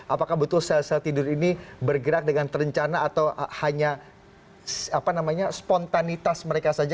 apakah betul sel sel tidur ini bergerak dengan terencana atau hanya spontanitas mereka saja